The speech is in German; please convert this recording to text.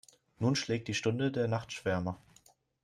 Nun schlägt die Stunde der Nachtschwärmer.